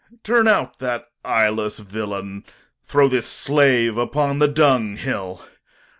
Turn out that eyeless villain. Throw this slave Upon the dunghill.